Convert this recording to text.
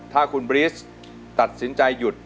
ถ้าคุณบรีสตัดสินใจหยุด